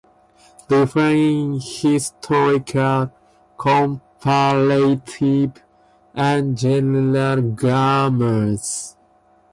Define historical, comparative and general grammars.